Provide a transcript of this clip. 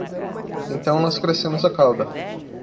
Então nós crescemos a cauda